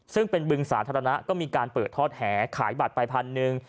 ซึ่งเป็นบึงสาธารณะก็มีการเปิดทอดแหขายบัตรไปพันหนึ่ง